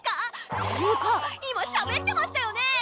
っていうか今しゃべってましたよね？